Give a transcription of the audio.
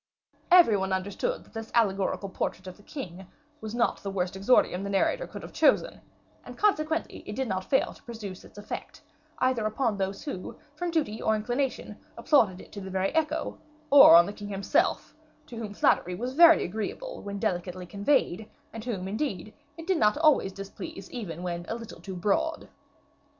Every one understood that this allegorical portrait of the king was not the worst exordium the narrator could have chosen; and consequently it did not fail to produce its effect, either upon those who, from duty or inclination, applauded it to the very echo, or on the king himself, to whom flattery was very agreeable when delicately conveyed, and whom, indeed, it did not always displease, even when it was a little too broad.